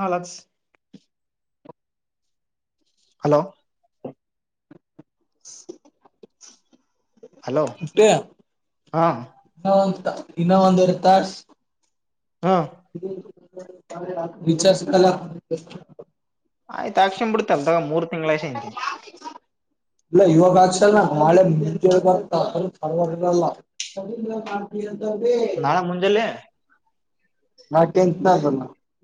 ಹಾಲಚ್. Hello. ಹ್ಮ್ಮ್. Hello [unintelligible] ಇನ್ನ ಹಾ ಇನ್ನ ಒಂದವ ತಾಸು. ಹಾ [unintelligible] ವಿಚಾರ ಕಲ. ಆಯ್ತ ಆಕ್ಷಮ ಬಿಡ್ತಲ್ ತಾಗ ಮೂರ್ ತಿಂಗಗಳಾಯಷ ಐಂತೆ. [unintelligible] ಇಲ್ಲ ಇವಾಗ ಆಕ್ಷರ್ ನಾಳೆ ಮಳ್ಬೇಕತ. ನಾಳೆ ಮುಂಜಾಲೆ. ನಾ ಕೆಂತ [unintelligible]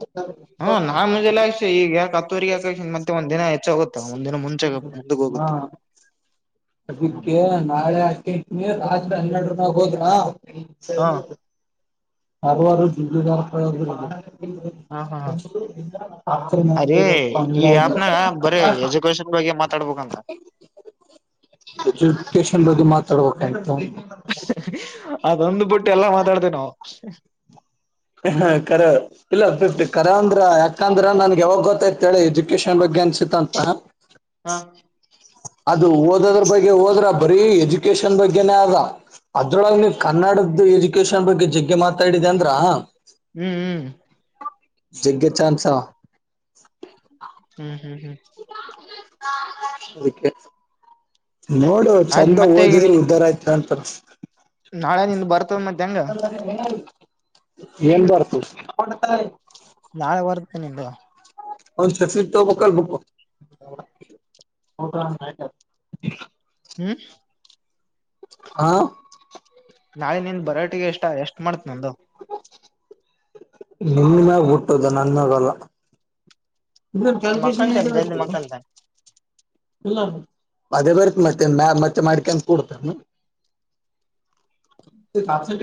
ಹಾ ನಾ ಮುಂಜಾಲೆ ಅಕ್ಷು ಈಗ ಯಾಕ ಕತ್ತೋರಿಗೆ ಯಾಕ ಮತ್ತೆ ಒಂದಿನ ಹೆಚ್ಚಾಗುತ್ತ ಒಂದಿನ ಮುಂಚೆ ಮು ಹಾ. [inaudible] ಅದಕ್ಕೆ ನಾಳೆ ಅ ಇತನಿ ರಾತ್ರಿ ಹನ್ನೆರಡರನಾಗ ಹೋದ್ರಾ. ಹಾ [unintelligible] ಅದರ ಹಾ ಹಾ ಹ ಅದೇ ಈ ಆಪ್ನಾಗ ಬರೀ [unintelligible] ಎಜುಕೇಶನ್ [unintelligible] ಮಾತಾಡ್ಬೇಕಂತ. ಎಜುಕೇಶನ್ ಬದ ಮಾತಾಡ್ಬೇಕಾಯಂತು. ಅದೊಂದು ಬಿುಟ್ಟು ಎಲ್ಲಾ ಮಾತಾಡ್ತೇವಿ ನಾವು. ಹ ಕರ ಇಲ್ಲ ಫಿಫ್ಟಿ ಕರ ಅಂದ್ರ ಯಾಕ. ಅಂದ್ರ ನನ್ಗೆ ಯಾವಾಗ ಗೊತ್ತಾಯತ ಹೇಳಿ ಎಜುಕೇಶನ್ ಬಗ್ಗೆ ಅನ್ಸತ್ತ ಅಂತ. ಹ ಅದು ಓದದ್ರ ಬಗ್ಗೆ ಹೋದ್ರ ಬರೀ ಎಜುಕೇಶನ್ ಬಗ್ಗೆನೇ ಆದ. ಅದ್ರೊಳಗ್ ನೀ ಕನ್ನಡದ್ದ ಎಜುಕೇಶನ್ ಬಗ್ಗೆ ಜಗ್ಗೆ ಮಾತಾಡಿದೆ ಅಂದ್ರ. ಹ್ಮ್ ಹ್ಮ್ ಜಗ್ಗೆ ಚಾನ್ಸ. ಹ್ಮ್ ಹ್ಮ್ ಹ್ಮ್ ಅದಕ್ಕೆ ನೋಡು ಆಯ್ತ್ ಚಂದ ಮತ್ತೆ ಈಗ ನೀ ಓದಿದ್ರೆ ಉದಾರ ಆಯ್ತ. ನಾಳೆ ನಿಂದ ಬರ್ತದ ಮತ್ತೆ ಹೆಂಗ [unintelligible] ಏನ್ ಬರ್ತುತಾರೆ [unintelligible] ನಾಳೆ ಬರ್ತೇನೆ ಇದು. ಒಂದ ಸಕ್ಲಿಕ್ ತಬೇಕಕ್ಕಲ್ ಬಕ್ ಹಟತ ಹ್ಮ್ ಹಾ ನಾಳೆ ನಿನ್ ಬರೋಟಿಗೆ ಎಷ್ಟ ಎಷ್ಟ್ ಮಾಡತ್ ನಂದು ನಿನ್ ಮ್ಯಾಗಬುಟ್ಟದ ನನ್ಗಲ್ಲ ಇದ ಕ್ಯಾಲ್ಕುಲಷನ್ಂತ ಮಕ್ಕಂತೇನೆ ಜಲ್ದಿ ಇತು ಮಕ್ಕಂತೇನೆ ಅದೇ ಬರ್ತ್ ಮತ್ತೆ ಮ ಮತ್ತೆ ಮಾಡ್ಕಂತ ಕೊೂಡ್ತ ಸಾಸಟ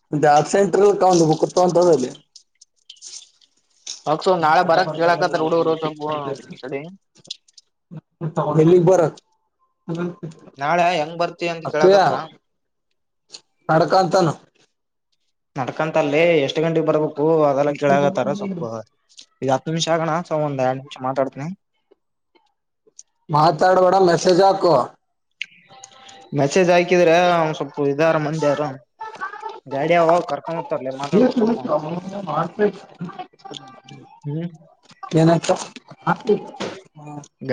[unintelligible] ಸೆಂಟರ್ಲ್ಲಿ ಕೊಂಡುತಂತದಲ್ಲಿ. ಹಸ ನಾಳೆ ಬರಕ್ ಕೇಳಾಕತ್ತ ಉರು ಊರು. ಲಿ ಬರ ನಾಳೆ ಹೆಂಗ್ ಬರ್ತಿ ಅಂತ ಅತ್ತುಯ ಕೇಳಕತ್ತಾರ ಕಡ್ಕಂತಾನ ನಡ್ಕಂತಲ್ಲಿ ಎಷ್ಟ್ ಗಂಟೆಗೆ ಬರ್ಬೇಕು ಅದೆಲ್ಲ ಕೆೇಳಗತ್ತಾರ ಸ್ಪ್ಪ ಇದು ಹತ್ತು ನಿಮಿಷ ಆಗಣ ಚ ಮುಂದ ಆಡು ನಿಮಿಷ ಮಾತಾಡ್ತೀನಿ ಮಾತಾಡಬಡ ಮೆಸೇಜ್ ಹಕುವ ಮೆಸೇಜ್ ಹಾಕಿದ್ರೆ ಅವ ಸೊಪ್ಪು ಇದಾರ ಮಂದಿರು ಗಾಡಿಯ ಕರ್ಕೊಂಡ ಹ ಮಾರ್ಪ ಹ್ಮ್ ಏನತ ಹ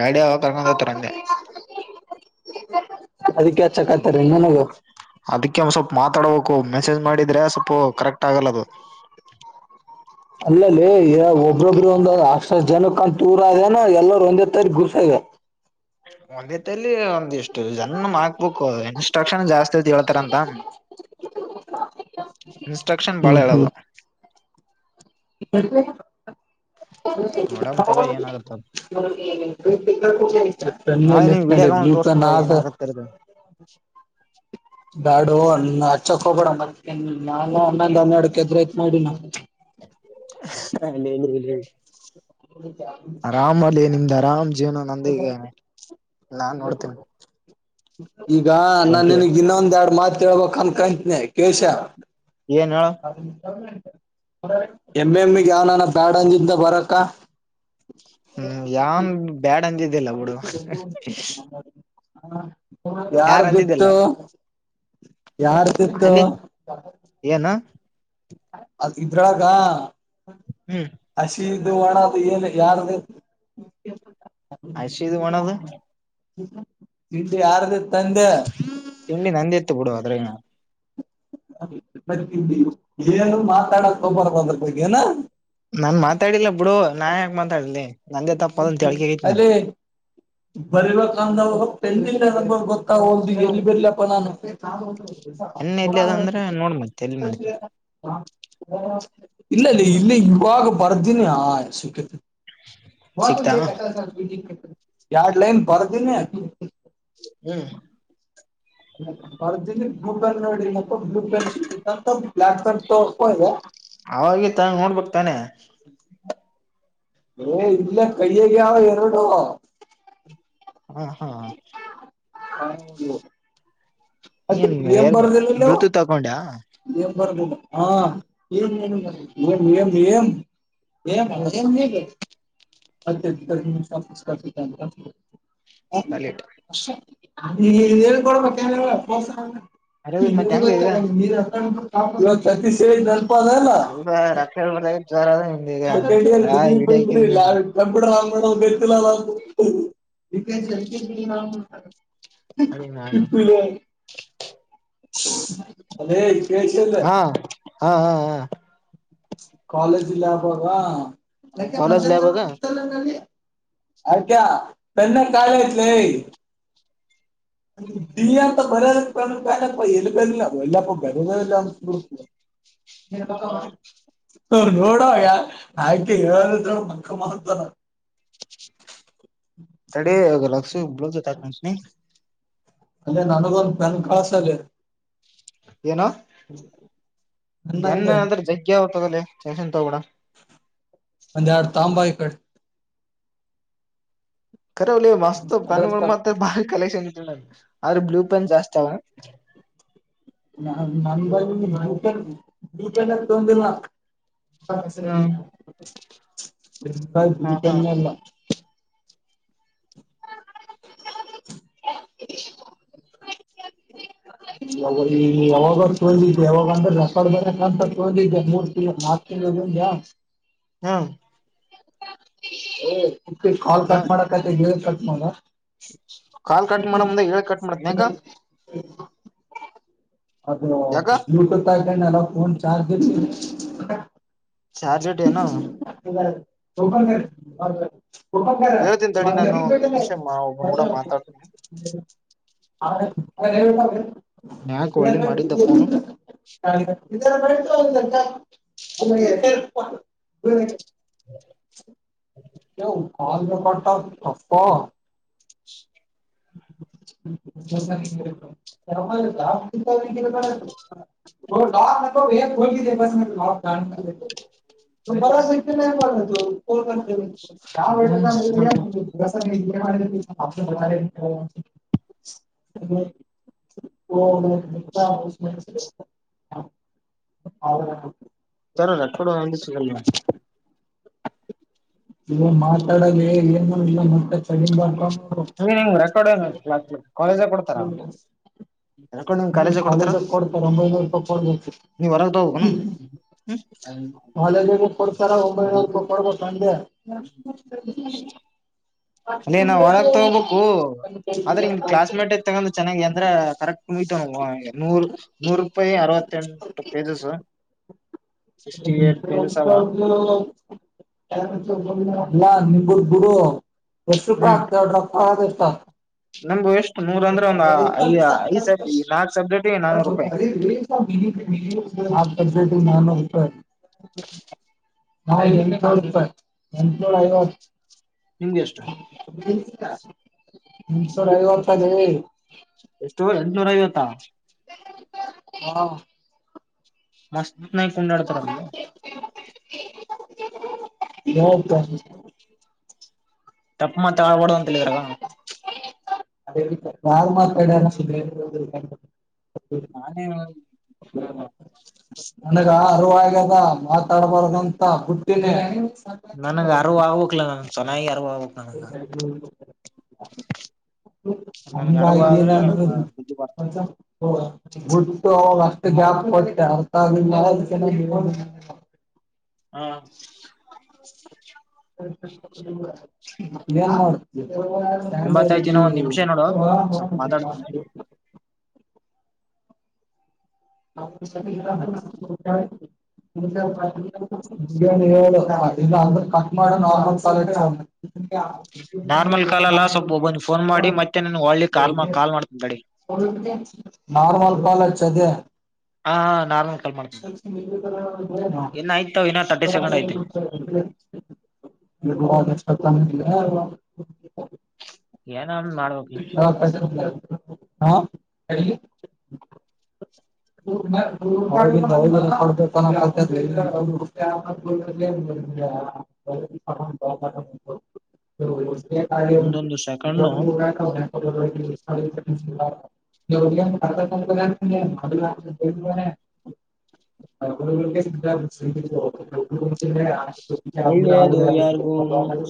ಗಾಡಿ ಅವಾಗ ಕರ್ಕೊಂಡ್ ಹೋಗ್ತಾರ ಅಂದೆ ಅದಕ್ಕೆಚ್ಚಕಾಯತಾರೀ ನನಗ ಮಾತಾಡಬೇಕು ಮೆಸೇಜ್ ಮಾಡಿದ್ರೆ ಸ್ವಲ್ಪ ಕರೆಕ್ಟ್ ಆಗಲ್ಲದು ಅಲ್ಲಲ್ಲಿ ಒಬ್ಬ್ರೊಬ್ರು ಒಂದು ಆ ಸ ಜನ ಕಂತ ತೂರ ಅನ ಎಲ್ಲ ಒಂದೇ ತಾರ ಗುಸ ಇವೆ ಒಂದತಲ್ಲಿ ಒಂದಿಷ್ಟ ಜನ್ ಮಾಡಕ್ಬೇಕುಕ್ ಇನ್ಸ್ಟ್ರಕ್ಷನ್ ಜಾಸ್ತಿ ಅತಿ ಹೇಳ್ತಾರಂತ ಇನ್ಸ್ಟ್ರಕ್ಷನ್ ಬಾಳ ಹೇಳಲ್ಲ ಯಾಕೆ ನೋಡಮ್ ತಗ ಏನಾಗತ್ತ ನಾಳೆ ನೀವ್ ವಿಡಿಯೋ [unintelligible] [unintelligible] ಕಾಲ್ ಬ್ಲೂ ಪೆನ್ ತೋರ್ಸಂತ ಅದ ಏನಾಗತ್ತರ್ದು ಬಾಡು ಅಲ್ ಹಚ್ಚಕ್ ಹೋಗಬ್ಯಾಡ ನಾನ ಹೊಂದು ಹನ್ನಡುಕದ್ರಐತ್ ನೋಡ್ ಇನ್ನ ಆರಾಮ ಅಲ್ಲಿ ನಿಮ್ದ. ರಾಮ್ ಜೀವನ ನಂದಗನೆ ನಾನ್ ನೋಡ್ತೇನಿ ಈಗ ನಾು ನಿನಗ್ ಇನ್ನೊಂದ ಎರಡ್ ಮಾತ್ ಕೇಳ್ಬೇಕಕ್ ಅನ್ಕಂತನನೆ ಕೇಶ.. ಏನ್ ಹೇಳ ಅ. [unintelligible] ಎಮ್ಮೆ ಎಮ್ಮಿಗ್ ಯಾವನಾನ ಬ್ಯಾಡಂದಿಂದ ಬರಕ್ಕ.. ಹ್ಮ್ ಯನ್ ಬ್ಯಾಡ್ ಅಜಿದ್ದಿಲ್ಲ ಬಿುಡು.. ಹಾ. ಯಾರ್ದಿತ್ತು ಯಾರ್ದಿತ್ತು.... ಅಲ್ಲಿ ಏನ ಅದು ಇದ್ರಳಗ.. ಹ್ಮ್.. ಅಸ ಇ ದ ಒಣ ಎಏಲ್ಲ ಯಾರ ಹಸಿದ್ ಒಣದು ಇ ಯಾರ.. ತಿಂಡಿ ನಂದಿ ಎತ್ತು ಬಿಡುುವ ಅದ್ರಣ.. ಏನು ಮಾತಾಡಕ್ಕ್ಕ ಬರ ಅದ್ರ ಬಗ್ಗೆನಾ.. ನಾ ಮಾತಾಡಿಲ್ಲ ಬಿಡು ನಾ ಯಾಕ ಮಾತಾಡಲಿ.. ಅ ಬರೆಯುವ ಕಂದ ಹೋಗ.. ಗೊತ್ತ ಹೊಲ್ದ ಎಲ್ಲಿ ಬಿರ್ಲಪ್ಪಾ ನಾನು.. ಹೆಣ್ಣ ಎಲ್ಲಿ ಅದ ಅಂದ್ರೆ ನೋಡ್ ಮತ್ತೆ ಎಲ್ಲಿ ಮಾಡ ಹಂ. ಇಲ್ಲ ಇಲ್ಲ ಇಲ್ಲಿ ಇವಾಗ ಬರ್ದೀನಿ ಆ ಸುಖತ್... [inaudible] [unintelligible] ಎರೆಡು ಲೈನ್ ಬರ್ದೇನಿ ಹ್ಮ ಬರ್ದಿದಿ ಬ್ಲೂ ಪೆನ್ ನೋಡಿ ಮತ್ತ ಬ್ಲೂ ಪೆನ್ ಸಿಗ್ತಾನಂತ ಬ್ಲಾಕ್ ಪೆನ್ ತಗೋಕೋ ಇದೆ ಅವಾಗ ತ ನೋಡ್ಬಕ್ ತಾನೆ ಏ ಇಲ್ಲ ಕೈಯಗೆಾವ ಎರಡು ಹಾ ಹಾ [unintelligible] ಹ ಅಕಿ ಏನ್ ಎಂ ಏರ್ ಬರ್ದಿಲ್ಲ ಬ್ಲೂಟೂತ್ ತಕೊಂಡ್ಯ ಲೇ ಅವು ಬರ್ದಿಲ್ಲ ಹಾಂ ಏನ್ ಏನ್ ಬರ್ದ್.. ಏನ್ ಏನ್ [unintelligible] ಅತ್ಯ ಸ ಸ್ಪೆಲಿಟ್ ಹೇಳ್ಕೊಡ್ಬೇಕ ಗೊತ್ತಲ್ಲ ಅರ ಮತ್ ಹೆಂಗ ಈಗ ನೀ ಹಕ [unintelligible] ಇವತ್ತು ಅತಿಸಿ [unintelligible] ಅಲಾ ರಕ್ಷಬಂದಾಗ ಸೆಕೆಂಡ್ ಇಯರ್ ಡಿಗ್ರಿ ಬಂದಿರಿ ಇಲ್ಲ ನಿನ್ ಕಂಪ್ಯೂಟರ್ ಆನ್ ಮಾಡ್ದೆ ಗೊತ್ತಿಲ್ಲ ಅಲಾ ಅದೇ ನಾನು ಅಲೆ ಹಾ ಹಾ ಹಾ ಹಾ ಕಾಲೇಜ್ಲ್ಲಿ ಆಬಲ್ವಾ ಯಕೆ ಕಾಲೇಜ್ ಲ್ಯಾಬಾಗ ಪ್ರತತ್ತಲ್ಲ ನಡಿ ಆಯ್ಕ ತನ್ನ ಕಾಲ ಇತಲ [inaudible] ಬ ಎಲುಬೆಲ್ಲ ಎಲ್ಲಪ ಬರದ ಎಲ್ಲ [inaudible] [inaudible] ಹ ನೋಡಾಗ ಆಯ್ತು ಹೇಳ ಮಂ ಮಹತ್ವನ ತಡೆ ಲಸು ಬ್ಲೌ ತಾಕಕ್ಷ ಅಲ್ಲೇ ನನಗೊಂದು ಪನ್ ಕಾಸ ಅಲ್ಲಿ ಏನು ನನ್ನಂಗ ನ್ ಅಂದ್ರೆ ಜಗ್ಗೆ ಅವತದಲ್ಲ ಟೆನ್ಶನ್ ಕ ತಗೊಬೇಡ ಅಂದೆಡು ತಾಂಬಾ ಯಿಕಡ ಕರ ಮಸ್ತ್ ಅದ್ರದ್ ಪ್ಯಾನ್ಗಳು ಕ- ಮತ್ತ ಬಾರಿ ಕಲೆಕ್ಷನ್ ಅವ್ರ ಬ್ಲೂ ಪೆನ್ ಜಾಸ್ತಿವಾ ನ ನ ಬ ನ ಬಂತ ತೊಂದಿಲ್ಲ ಹ್ಮ್ [unintelligible] ಬ್ಲೂ ಹಾ ಹಾ ಪೆನ್ ಎಲ್ಲಾ [inaudible] ಯಾವಾಗ ತೊಂದಿದ್ದೆ ಯಾವಾಗಂದ್ರೆ ರೆಸರ್ ಬೇಕಂತ ತೊಂದಿದ್ದೆ ಮೂರ್ ತಿಂಗಳು ನಾಕ ತಿಂಗ ಉಂಡ್ಯ ಹಾ ಕಾಲ್ ಹ ಕಟ್ ಮಾಡ ನೀ ಕಟ ಮಾಡ ಕಾಲ್ ಕಟ್ ಮಾಡ ಮುಂದೆ ಏ ಕಟ್ ಮಾಡತನ ಯಾಕ ಅದು ಯಾಕ ಬ್ಲೂಟೂತ್ ಆಾಕೊಂಡ ಎಲ್ಲ ಫೋನ್ ಚಾರ್ಜ್ ಇ ಚಾರ್ಜ ಯಿಟಿ ಏನೂ [unintelligible] ಹೇಳ್ತೀನಿ ತಡಿ ಮ ನಾನು ಒಂದ್ ಬೆೇಟ ನಿಮಿಷ ಒಬ್ಬನ್ ಕೂಡ ಹ ಮಾತಾಡ್ತೀನಿ ಅ ಹೇಳ ಯಾಕ [unintelligible] ಒಳ್ಳೆ ಮಾಡಿದ್ದ ಫೋನು ಯ ಕಲ್ ರೆಕಾರ್ಡ್ ಅಪ್ಪ [inaudible] [unintelligible] ಹ ಲಾಕ ನಕ ಬೋಿದೆ ಬ ಲಾಕಡನ್ ಬರ [unintelligible] [unintelligible] ಓ ಸರ ಆ ರೆಕಾರ್ಡ್ ಯಲಿ ಶಿಗಲಹೋಗ್ಯದ ಇಗ ಮಾತಾಡಾಗ ಏನ್ ಮಾಡಿಲ್ಲ ಮತ್ತೆ ಚಡಿ ಬಾರ್ಕ ನೀನ್ಂಗ ರೆಕಾರ್ಡ್ ಏನು ಕಾಲೇಜ ಕೊಡ್ತಾರ ರೆಕಾರ್ಡ್ ನಿಮ್ ಹ್ಮ್ ಕಾಲೇಜ ಕೊಡ್ತಾರ ಕಾಲೇಜಕ್ ಕೊಡ್ತಾರೆ ಒಂಬೈನೂರು ರೂಪಾಯಿ ಕೊಡ್ಬೇಕತ್ತು ನೀವ್ ಹೊರಗ್ ತಗೋಬೇಕನು ಕಾಲೇಜಿಗೆ ಕೊಡ್ತಾರ ಒಂಬೈನೂರು ರೂಪಾಯಿ ಕೊಡ್ಬೇಕ ಅಂದೆ ಬ್ಯಾಕ್ ಬುಕ್ ಸ್ಟಡಿ ಅಲ್ಲೇ ನಾವ್ ಹೊರಾಗ ತಗೋಬೇಕು ಆದ್ರೆ ನಿಮ್ದ್ ಕ್ಲಸ್ ಮೇಟಟ್ ತಗೊಂಡ್ ಚೆನ್ನಾಗಿ ಅಂದ್ರ ಕರೆಕ್ಟ್ ಕುಂಬ್ಿತತ ನವು ನೂರು ನೂರು ರೂಪಾಯಿ ಅರವತ್ತೆಂಟು ರೂಪಾಯಿದುಸ [unintelligible] ಗುಡು ಎಷ್ಟುುಖ ಹ್ಮ್ ಆಗ್ತ ಡಾಕ್ಟರ್ ಆದ ಎಷ್ಟು ಆಗ್ತದೆ ನಮ್ದು ಎಷ್ಟು ನೂರ್ ಅಂದ್ರೆ ಒಂದ್ ಐ ಐದ್ ಸಬ್ [unintelligible] ನಾಲ್ಕ್ ಸಬ್ಜೆಕ್ಟಿಗೆ ನಾನೂರು ರೂಪಾಯಿ ಹಟ ನನ ತ್ತ [inaudible] ಹಾ ಎಣ್ಣೆ ನಿಮ್ಗೆ ಎಷ್ಟು ನಿ ರ ಅರ್ತ ಜಿ ಎಷ್ಟು ಎಂಟನೂರ ಐವತ್ತಾ ಹಾ ಮಸ್ತ ನ ಕುಂಡಾ ಅಡತರಲ್ಲಿಗೆ ಯೋಗತ ತಪ್ಪ ಮಾತ್ ಆಳ್ಬಡ ಅಂತ ಹೇಳಿದ್ರಾಗ ನಾರ್ಮಲ್ [unintelligible] ನಾನೇ ಹ ಪರುವದ ಮಾತಾಡ್ಬಾರಂತ ಪುಟ್ಟಿನ ನನಗೆ ಅರ್ ಆಗಕ್ಲ ನನ್ ಚೆನ್ನಾಗಿ ಅರ್ [unintelligible] [unintelligible] ನನ್ಗ ಅರಿವು ಆದ್ರೆ ನನ್ ಬುದ್ಧಿ ಬರ್ತ ಗುಟ್ಟು ಅಷ್ಟು ಗ್ಯಾಪ್ ಕೊಟ್ಟೆ ಅರ್ಥ ಆಗೆ ಹಾ ಏನ್ ಮಾಡ್ತವಿ ಒಂಬತ್ತೈತಿ ಇನ್ನ ಒಂದ್ ನಿಮಿಷ ನೋಡು ಸ ಸ್ವಲ್ಪ ಮಾತಾಡ್ತೇನಿ [unintelligible] ಹ [unintelligible] ಅಂದ್ರ ಕಟ್ ಮಾಡ ನಾರ್ಮಲ್ ಕಾಲ ಫೋನ್ ಹಚ್ಚ ಹಾ ನಾರ್ಮಲ್ ಕಾಲಲ್ಲ ಸ್ವಲ್ಪ ಒಬ್ಬ ಫೋನ್ ಮಾಡಿ ಮತ್ತೆ ನನ್ ಒಳ್ಳಿ ಕಾಲ್ ಕಾಲ್ ಮಾಡ್ಕಡಿ ತಡಿ ನಾರ್ಮಲ್ ಕಾಲಚ್ಚ ಅದೆ ಹಾ ನಾರಲ್ ಕಲ್ ಮಾಡ್ತಿ ಸೆಕೆಂಡ್ ಐತಿ [unintelligible] ಹ ಯೆನ್ ಹಾ ಹೇಳ [unintelligible] ಅವಾಗಿಂದ ರೆಕಾರ್ಡ್ ಒಂದೊಂದು [unintelligible] ಸೆಕೆಂಡ್ [unintelligible] [unintelligible] [inaudible] ಒಳ್ಳೇದು [unintelligible] ಯಾರಿಗೂ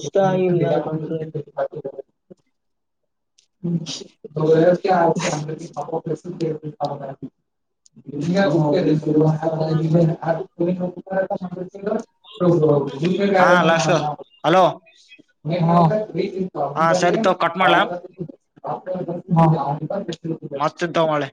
ಇಷ್ಟ ಇಲ್ಲ ಕಣ್ರೀ [unintelligible] [unintelligible] [unintelligible] ಹಾ ಲಾಸ್ಟ ಹಲೋ [unintelligible] ಹಾ ಸರಿ ತಗೋ ಕಟ್ ಮಾಡ್ಲಾ [unintelligible] ಮಸ್ತ್ ಇದ್ದಂಗವ್ಳೆ